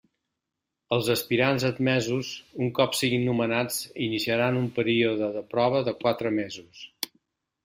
Els aspirants admesos, un cop siguin nomenats iniciaran un període de prova de quatre mesos.